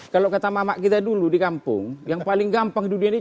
kalau kata mamak kita dulu di kampung yang paling gampang judulnya ini cek